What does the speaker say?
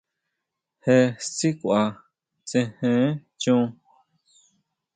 Je tsí kʼua, tsejen chon.